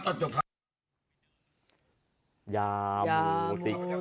มองไม่เห็นตัวกู